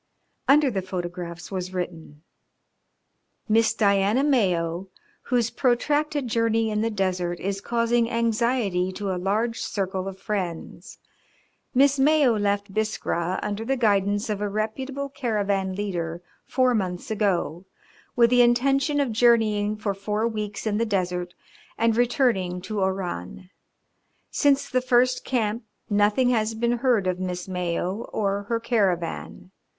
Under the photographs was written: "Miss Diana Mayo, whose protracted journey in the desert is causing anxiety to a large circle of friends. Miss Mayo left Biskra under the guidance of a reputable caravan leader four months ago, with the intention of journeying for four weeks in the desert and returning to Oran. Since the first camp nothing has been heard of Miss Mayo or her caravan.